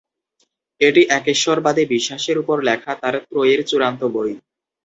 এটি একেশ্বরবাদী বিশ্বাসের উপর লেখা তার ত্রয়ীর চূড়ান্ত বই।